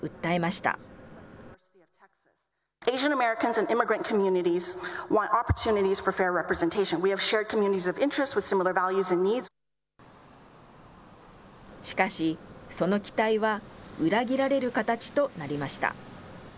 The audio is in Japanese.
しかし、その期待は裏切られる形となりました。